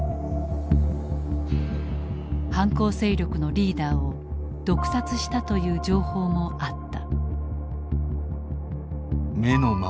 反抗勢力のリーダーを毒殺したという情報もあった。